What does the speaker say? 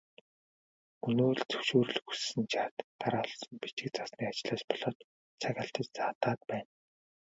Өнөө л зөвшөөрөл хүссэн шат дараалсан бичиг цаасны ажлаас болоод цаг алдаж саатаад байна.